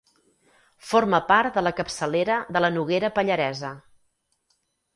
Forma part de la capçalera de la Noguera Pallaresa.